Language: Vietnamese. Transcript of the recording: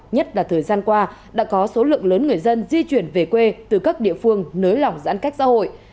nhất là thời gian qua đã có số lượng lớn người dân di chuyển về quê từ các địa phương nới lỏng giãn cách xã hội